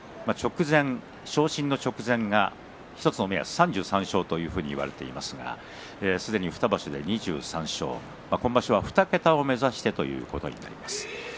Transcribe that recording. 昇進の直前が１つの目安３３勝といわれていますがすでに２場所で２３勝今場所２桁を目指してということになります。